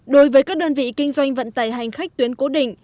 đối với các đơn vị kinh doanh vận tải hành khách tuyến cố định